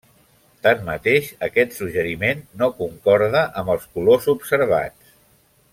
Tanmateix, aquest suggeriment no concorda amb els colors observats.